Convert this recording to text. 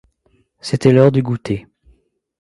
C’était l’heure du goûter.